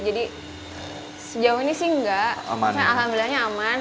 jadi sejauh ini sih enggak alhamdulillahnya aman